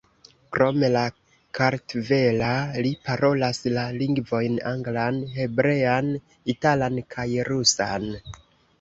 Krom la kartvela, li parolas la lingvojn anglan, hebrean, italan kaj rusan.